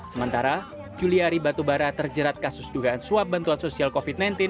sementara juliari batubara terjerat kasus dugaan suap bantuan sosial covid sembilan belas